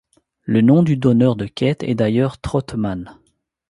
Le nom du donneur de quête est d'ailleurs Troteman.